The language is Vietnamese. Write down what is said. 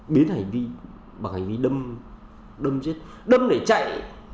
biến thành hành vi bằng hành vi đâm đâm chết đâm để chạy